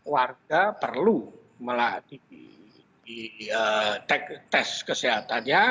warga perlu melatih tes kesehatannya